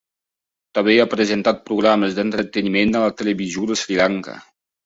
També ha presentat programes d'entreteniment a la televisió de Sri Lanka.